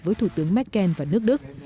với thủ tướng merkel và nước đức